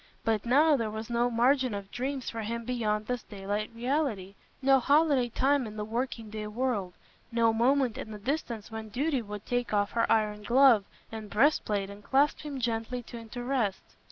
But now there was no margin of dreams for him beyond this daylight reality, no holiday time in the working day world, no moment in the distance when duty would take off her iron glove and breast plate and clasp him gently into rest.